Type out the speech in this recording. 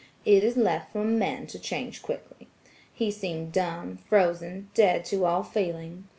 It is left for men to change quickly. He seemed dumb, frozen, dead to all feeling.